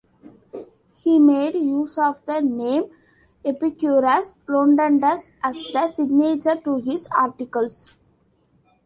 He made use of the name "Epicurus Rotundus" as the signature to his articles.